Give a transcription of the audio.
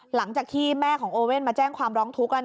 หลังจากที่แม่ของโอเว่นมาแจ้งความร้องทุกข์